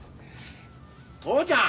父ちゃん